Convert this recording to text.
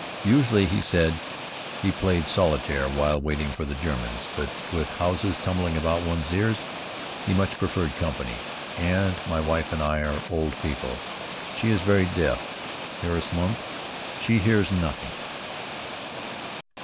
Usually, he said, he played solitaire while waiting for the Germans, but with houses tumbling about one's ears, he much preferred company. "And my wife and I are old people. She is very deaf, heureusement. She hears nothing."